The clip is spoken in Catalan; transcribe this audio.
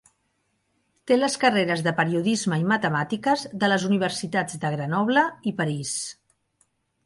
Té les carreres de periodisme i matemàtiques de les universitats de Grenoble i París.